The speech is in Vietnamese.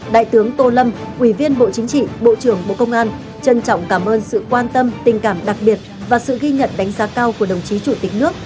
đại tướng tô lâm ủy viên bộ chính trị bộ trưởng bộ công an trân trọng cảm ơn sự quan tâm tình cảm đặc biệt và sự ghi nhận đánh giá cao của đồng chí chủ tịch nước